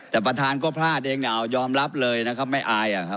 ท่านประทานก็พลาดเองเนี่ยเอายอมรับเลยนะครับหมายอาย